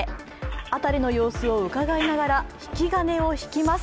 辺りの様子をうかがいながら引き金を引きます。